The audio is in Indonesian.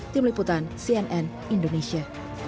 tim liputan cnn indonesia